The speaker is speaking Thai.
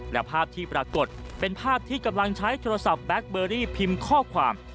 และภาพที่ปรากฏเป็นภาพที่กำลังใช้โทรศัพท์แบ็คเบอรี่พิมพ์ข้อความ